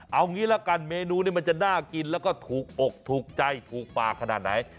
เอางี้ละกันเมนูนี้มันจะน่ากินแล้วก็ถูกอกถูกใจถูกปากขนาดไหน